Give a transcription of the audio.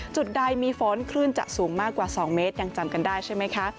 จุดใดมีฝนคลื่นจะสูงมากกว่า๒เมตรยังจำกันได้ใช่ไหมคะ